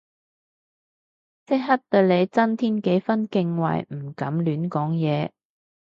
即刻對你增添幾分敬畏唔敢亂講嘢